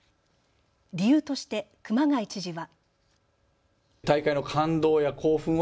理由として熊谷知事は。